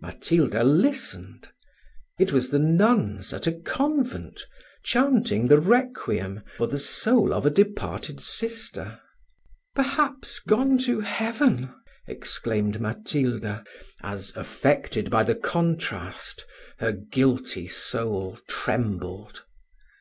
Matilda listened it was the nuns at a convent, chanting the requiem for the soul of a departed sister. "Perhaps gone to heaven!" exclaimed Matilda, as, affected by the contrast, her guilty soul trembled.